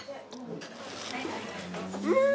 うん！